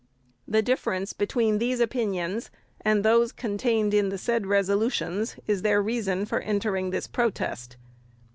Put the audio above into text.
The difference between these opinions and those contained in the said resolutions is their reason for entering this protest.